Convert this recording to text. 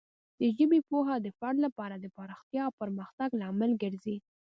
د ژبې پوهه د فرد لپاره د پراختیا او پرمختګ لامل ګرځي.